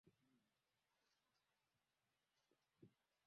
ya umma na kwaUhusiano kati ya uchafuzi wa hewa na ustawi